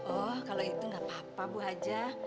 oh kalau itu gak apa apa bu haja